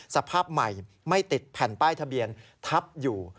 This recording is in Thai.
สภาพใหม่ไม่ติดแผ่นป้ายทะเบียนทับอยู่